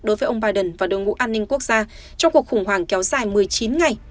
đối với ông biden và đội ngũ an ninh quốc gia trong cuộc khủng hoảng kéo dài một mươi chín ngày